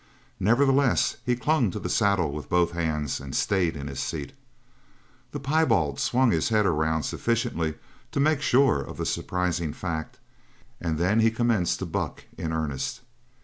Nevertheless he clung to the saddle with both hands, and stayed in his seat. The piebald swung his head around sufficiently to make sure of the surprising fact, and then he commenced to buck in earnest.